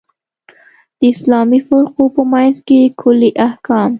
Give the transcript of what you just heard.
د اسلامي فرقو په منځ کې کُلي احکام.